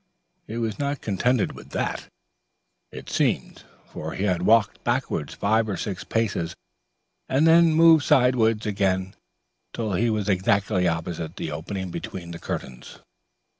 He was not contented with that, it seemed, for he had walked backwards five or six paces and then moved sideways again till he was exactly opposite the opening between the curtains.